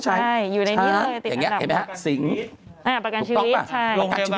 ใช่อยู่ในนี้เลยติดอันดับประกันชีวิต